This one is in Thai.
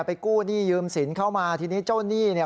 กู้หนี้ยืมสินเข้ามาทีนี้เจ้าหนี้เนี่ย